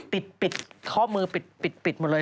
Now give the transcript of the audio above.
พอมือปิดปิดปิดหมดเลย